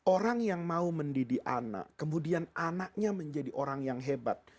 orang yang mau mendidik anak kemudian anaknya menjadi orang yang hebat